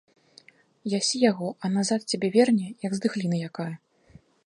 Ясі яго, а назад з цябе верне, як здыхліна якая.